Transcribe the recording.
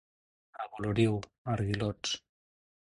A Voloriu, aguilots.